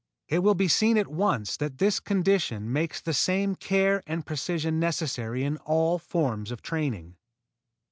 It will be seen at once that this condition makes the same care and precision necessary in all forms of training.